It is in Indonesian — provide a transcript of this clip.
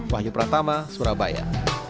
wahyu pratama surabaya